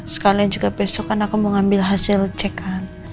sekalian juga besok kan aku mau ambil hasil cekan